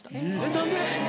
何で？